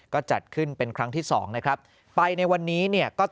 ก็จัดขึ้นเป็นครั้งที่๒